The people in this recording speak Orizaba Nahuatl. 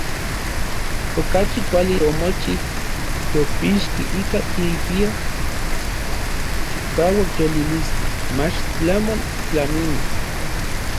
Okachi kuali omochij teopixki ikan kipia chikauak yolilistli mach tlamon tlamini.